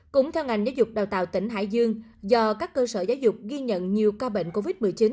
cũng theo ngành giáo dục đào tạo tỉnh hải dương do các cơ sở giáo dục ghi nhận nhiều ca bệnh covid một mươi chín